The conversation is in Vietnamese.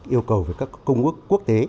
yêu cầu của các công ước quốc tế